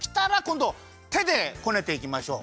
どてでこねていきましょう。